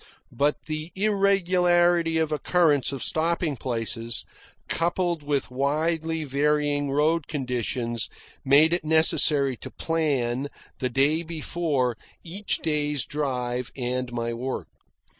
But the irregularity of occurrence of stopping places, coupled with widely varying road conditions, made it necessary to plan, the day before, each day's drive and my work.